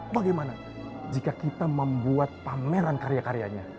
bagaimana jika kita membuat pameran karya karyanya